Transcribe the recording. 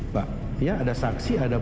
pak ya ada saksi